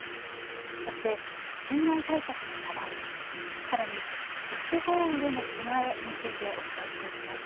そして、水害対策の課題さらに都市豪雨への備えについてお伝えしていきます。